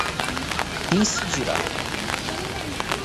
incidirá